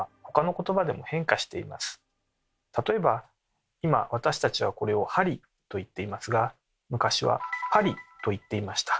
例えば今私たちはこれを「はり」といっていますが昔は「パリ」といっていました。